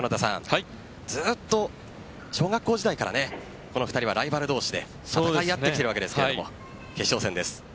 ずっと小学校時代からこの２人はライバル同士で戦い合ってきているわけですが決勝戦です。